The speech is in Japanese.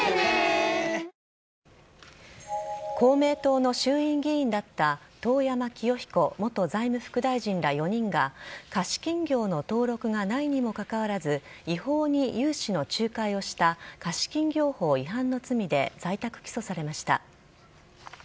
公明党の衆院議員だった、遠山清彦元財務副大臣ら４人が、貸金業の登録がないにもかかわらず、違法に融資の仲介をした貸金業法違反の罪で在宅起訴されました。